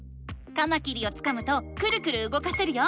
カマキリをつかむとクルクルうごかせるよ。